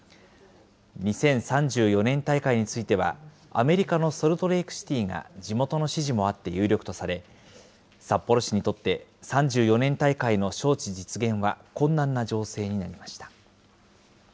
２０３４年大会については、アメリカのソルトレークシティーが地元の支持もあって有力とされ、札幌市にとって３４年大会の招致実現は困難な情勢になりました。